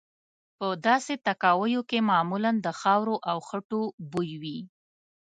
په داسې تاکاویو کې معمولا د خاورو او خټو بوی وي.